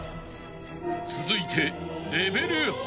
［続いて］